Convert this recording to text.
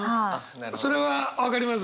それは分かります。